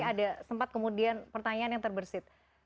ada sempat kemudian pertanyaan yang terbersih